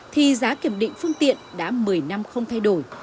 thì giá kiểm định phương tiện đã một mươi năm không thay đổi